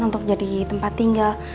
untuk jadi tempat tinggal